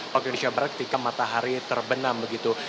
waktu di jawa barat ketika matahari terbenam begitu